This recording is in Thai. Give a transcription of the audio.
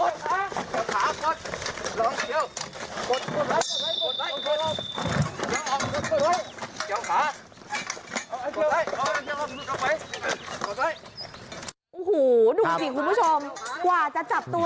ดูสิคุณผู้ชมคว่าจะจับตัวได้